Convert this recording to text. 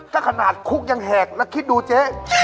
ถ้าขนาดคุกยังแหกแล้วคิดดูเจ๊